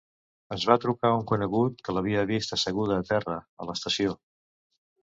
Ens va trucar un conegut que l'havia vist assegut a terra, a l'estació.